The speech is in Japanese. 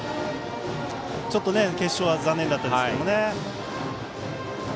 ちょっと決勝は残念だったですけどね。